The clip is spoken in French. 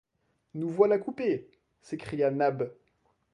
Nous voilà coupés ! s’écria Nab.